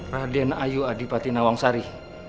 raden ayu adipati nawangsari